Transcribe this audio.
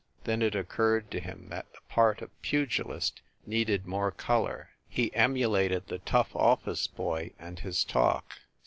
Then it occurred to him that the part of pugilist needed more color. He emulated the tough office boy and his talk.